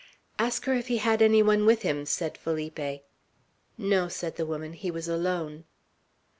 "Ask her if he had any one with him," said Felipe. "No," said the woman. "He was alone."